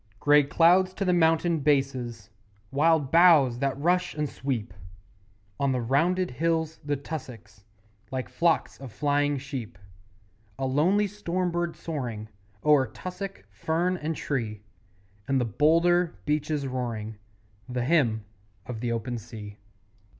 Grey cloud to the mountain bases, Wild boughs that rush and sweep; On the rounded hills the tussocks Like flocks of flying sheep; A lonely storm bird soaring O'er tussock, fern and tree; And the boulder beaches roaring The Hymn of the Open Sea.